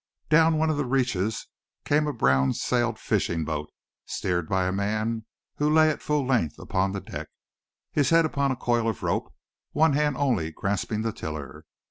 Down one of the reaches came a brown sailed fishing boat, steered by a man who lay at full length upon the deck, his head upon a coil of rope, one hand only grasping the tiller.